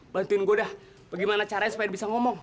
bantuin gua dah bagaimana caranya supaya dia bisa ngomong